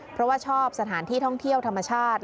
เพราะว่าชอบสถานที่ท่องเที่ยวธรรมชาติ